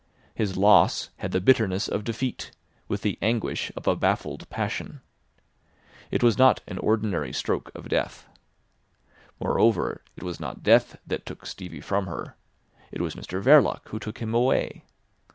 His loss had the bitterness of defeat, with the anguish of a baffled passion. It was not an ordinary stroke of death. Moreover, it was not death that took Stevie from her. It was Mr Verloc who took him away.